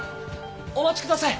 お待ちください！